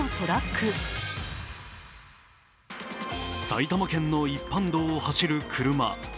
埼玉県の一般道を走る車。